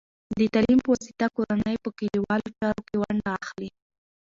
د تعلیم په واسطه، کورنۍ په کلیوالو چارو کې ونډه اخلي.